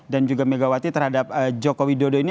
dan juga megawati terhadap jokowi dodo ini